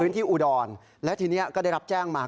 พื้นที่อุดรและทีนี้ก็ได้รับแจ้งมา